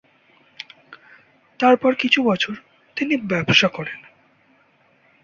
তারপর কিছু বছর তিনি ব্যবসা করেন।